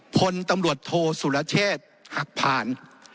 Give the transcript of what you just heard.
พลตำรวจโทสุรเชษฐ์หักผ่าน